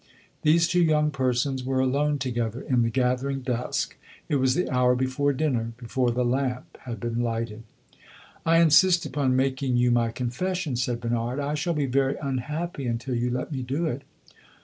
These two young persons were alone together in the gathering dusk; it was the hour before dinner, before the lamp had been lighted. "I insist upon making you my confession," said Bernard. "I shall be very unhappy until you let me do it."